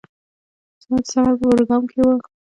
زما د سفر په پروگرام کې وه.